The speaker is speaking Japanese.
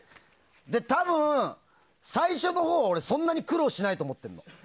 多分、最初のほうは俺、そんなに苦労しないと思ってるの。